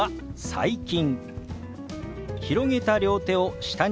「最近」。